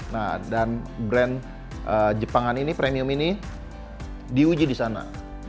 nah dan brand jepang ini premium ini di uji di sana